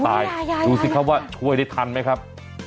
ยายรู้สึกเขาว่าช่วยได้ทันไหมครับ